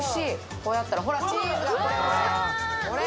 これやったらほら、チーズが、これ！